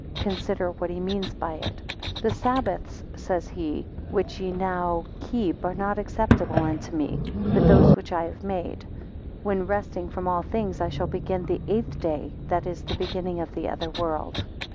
Consider what he means by it; the Sabbaths, says he, which ye now keep are not acceptable unto me, but those which I have made; when resting from all things I shall begin the eight day, that is, the beginning of the other world.